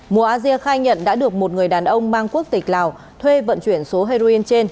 mùa a dia khai nhận đã được một người đàn ông mang quốc tịch lào thuê vận chuyển số heroin trên